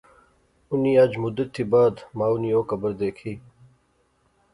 انی اج مدت تھی بعد مائو نی او قبر دیکھی